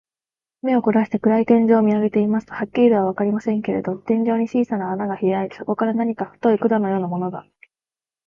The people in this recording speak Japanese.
目をこらして、暗い天井を見あげていますと、はっきりとはわかりませんけれど、天井に小さな穴がひらいて、そこから何か太い管のようなものが、